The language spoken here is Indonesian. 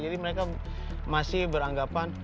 jadi mereka masih beranggapan